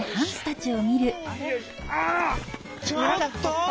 「ちょっと！」。